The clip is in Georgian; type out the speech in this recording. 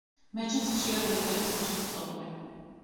მეჩეთს ხშირად ლეკების მეჩეთს უწოდებენ.